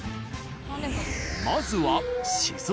まずは。